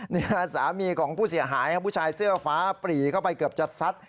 นี่สามีของผู้เสียหายผู้ชายเสื้อฟ้าปรีเข้าไปเกือบจะซัด